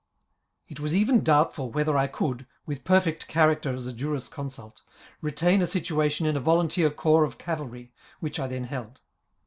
It was even doubtful whe ther I could, with perfect character as a jurisconsult, retain a situation in a volunteer corps of cavalry, which I then held.